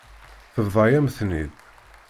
Tebḍa-yam-ten-id.